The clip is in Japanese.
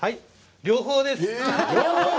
両方です。